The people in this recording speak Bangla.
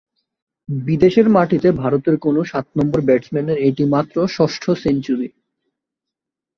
বিদেশের মাটিতে ভারতের কোনো সাত নম্বর ব্যাটসম্যানের এটি মাত্র ষষ্ঠ সেঞ্চুরি।